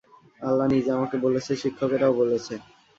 আল্লাহ নিজে আমাকে বলেছে, শিক্ষকেরাও বলেছে।